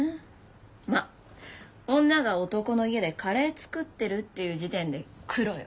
まっ女が男の家でカレー作ってるっていう時点でクロよ。